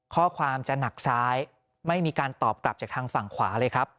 ข้อความจะหนักซ้ายไม่มีการตอบกลับจากทางฝั่งขวาเลยครับ